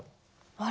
あれ？